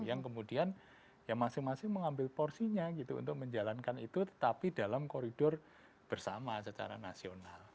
yang kemudian ya masing masing mengambil porsinya gitu untuk menjalankan itu tetapi dalam koridor bersama secara nasional